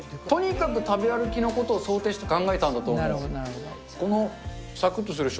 とにかく食べ歩きのことを想定して考えたんだと思います。